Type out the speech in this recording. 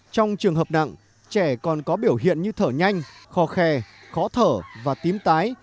trong trường hợp nặng trẻ còn có biểu hiện như thở nhanh kho khe khó thở và tím tái